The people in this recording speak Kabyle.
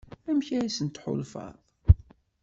Amek i asent-tḥulfaḍ?